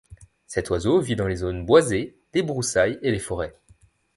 Cet oiseau vit dans les zones boisées, les broussailles et les forêts.